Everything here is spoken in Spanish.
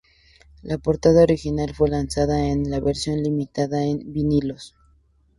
La portada original fue lanzada en un versión limitada en vinilos.